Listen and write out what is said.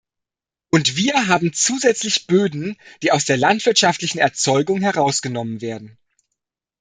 Und wir haben zusätzlich Böden, die aus der landwirtschaftlichen Erzeugung herausgenommen werden.